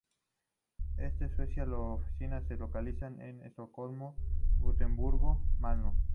En Suecia, las oficinas se localizan en Estocolmo, Gotemburgo y Malmö.